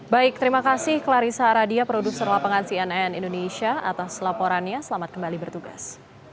baik terima kasih clarissa aradia produser lapangan cnn indonesia atas laporannya selamat kembali bertugas